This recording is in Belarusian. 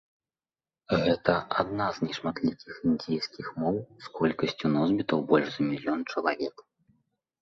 Гэта адна з нешматлікіх індзейскіх моў з колькасцю носьбітаў больш за мільён чалавек.